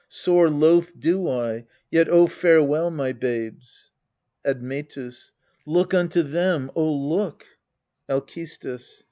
Sore loath do I yet oh, farewell, my babes ! Admetus. Look unto them oh, look ! Alcestis.